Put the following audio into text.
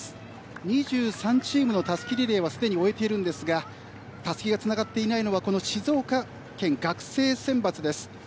２３チームのたすきリレーはすでに終えているのですがたすきがつながっていないのは静岡県学生選抜です。